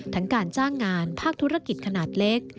การจ้างงานภาคธุรกิจขนาดเล็ก